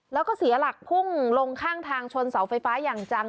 แล้วก็เสียหลักพุ่งลงข้างทางชนเสาไฟฟ้าอย่างจัง